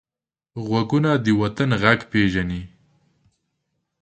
غوږونه د وطن غږ پېژني